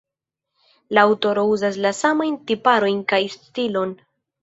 La aŭtoro uzas la samajn tiparojn kaj stilon.